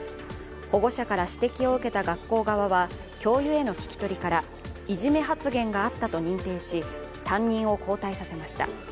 保護者から指摘を受けた学校側は、教諭への聞き取りからいじめ発言があったと認定し、担任を交代させました。